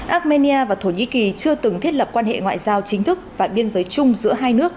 armenia và thổ nhĩ kỳ chưa từng thiết lập quan hệ ngoại giao chính thức và biên giới chung giữa hai nước